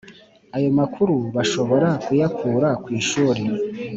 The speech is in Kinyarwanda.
ayo makuru bashobora kuyakura ku ishuri